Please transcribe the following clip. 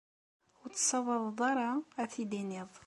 Ur tessawaḍeḍ ara ad t-id-tiniḍ.